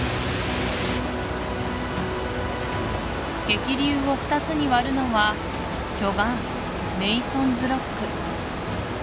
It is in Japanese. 激流を二つに割るのは巨岩メイソンズロック